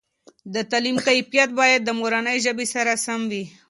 دتعلیم کیفیت باید د مورنۍ ژبې سره سم وي.